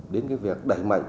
đến việc đẩy mạnh